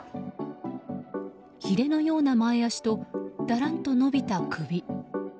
ひれのような前脚とだらんと伸びた首。